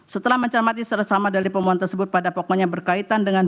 setelah mencermati secara sama dari pemohon tersebut pada pokoknya berkaitan dengan